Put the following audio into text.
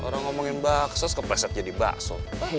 orang ngomongin baksoos kepeset jadi bakso